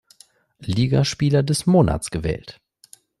Liga-Spieler des Monats gewählt.